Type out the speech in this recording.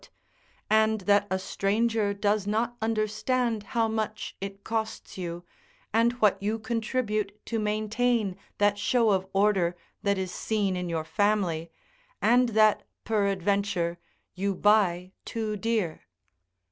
] and that a stranger does not understand how much it costs you, and what you contribute to maintain that show of order that is seen in your family, and that peradventure you buy too dear.